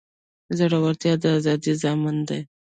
زړورتیا د ازادۍ ضامن دی.